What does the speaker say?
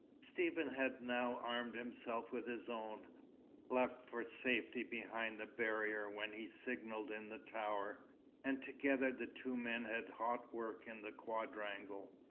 Stephen had now armed himself with his own, left for safety behind the barrier while he signalled in the tower; and together the two men had hot work in the quadrangle.